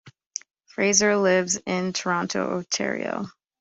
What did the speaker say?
Fraser lives in Toronto, Ontario.